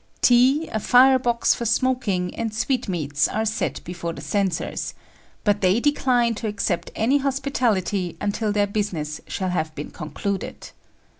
Tea, a fire box for smoking, and sweetmeats are set before the censors; but they decline to accept any hospitality until their business shall have been concluded.